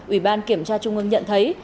ủy ban kiểm tra trung ương nhận thấy